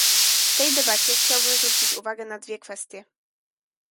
W tej debacie chciałbym zwrócić uwagę na dwie kwestie